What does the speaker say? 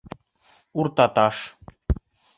УРТАТАШ